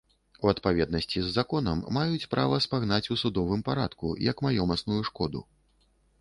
У адпаведнасці з законам маюць права спагнаць у судовым парадку як маёмасную шкоду.